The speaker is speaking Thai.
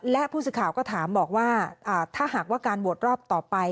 และผู้สื่อข่าวก็ถามบอกว่าถ้าหากว่าการโหวตรอบต่อไป